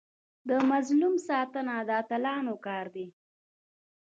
د مظلوم ساتنه د اتلانو کار دی.